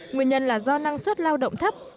nguyên nhân là do năng suất lao động thấp